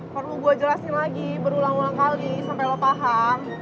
perlu gue jelasin lagi berulang ulang kali sampai lo paham